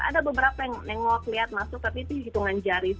ada beberapa yang ngeliat masuk tapi itu hitungan jari